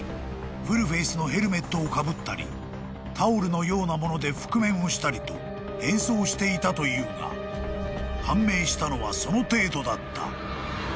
［フルフェイスのヘルメットをかぶったりタオルのような物で覆面をしたりと変装していたというが判明したのはその程度だった］